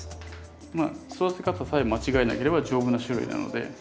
まあ育て方さえ間違えなければ丈夫な種類なので。